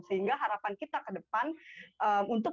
sehingga harapan kita ke depan untuk